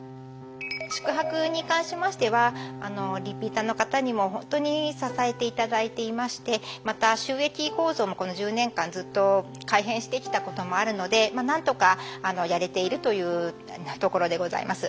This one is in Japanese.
宿泊に関してましてはリピーターの方にもほんとに支えて頂いていましてまた収益構造もこの１０年間ずっと改変してきたこともあるのでまあ何とかやれているというところでございます。